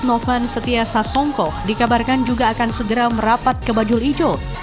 novan setia sasongko dikabarkan juga akan segera merapat ke bajul ijo